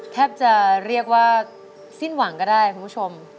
แทบจะเรียกว่าสิ้นหวังก็ได้คุณผู้ชม